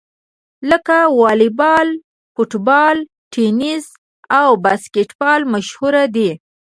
لکه واليبال، فوټبال، ټېنیس او باسکیټبال مشهورې دي.